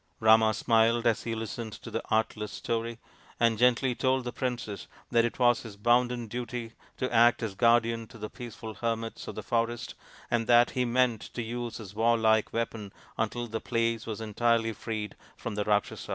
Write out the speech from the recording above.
Rama smiled as he listened to the artless story, md gently told the princess that it was his bounden duty to act as guardian to the peaceful hermits of ;he forest, and that he meant to use his warlike weapon until the place was entirely freed from the Rakshasas.